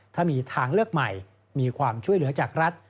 ถ้ามีทางเลือกใหม่มีความช่วยเหลือจากรัฐ